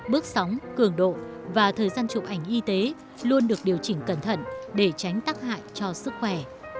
bước sóng cường độ và thời gian chụp ảnh y tế luôn được điều chỉnh cẩn thận để tránh tắc hại cho sức khỏe